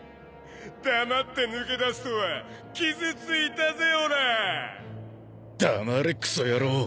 黙って抜け出すとは傷ついたぜ俺ァ黙れクソ野郎